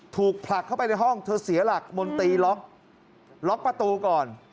ผลักเข้าไปในห้องเธอเสียหลักมนตรีล็อกล็อกประตูก่อน